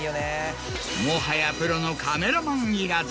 もはやプロのカメラマンいらず。